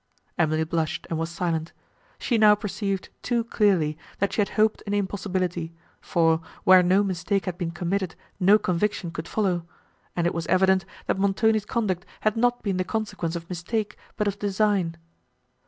Emily blushed, and was silent; she now perceived too clearly, that she had hoped an impossibility, for, where no mistake had been committed no conviction could follow; and it was evident, that Montoni's conduct had not been the consequence of mistake, but of design.